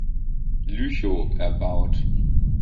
Lüchow erbaut.